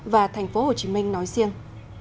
và tp hcm nói riêng